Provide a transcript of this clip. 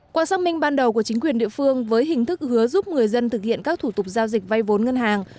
qua xác minh ban đầu của chính quyền địa phương với hình thức hứa giúp người dân thực hiện các thủ tục giao dịch vay vốn ngân hàng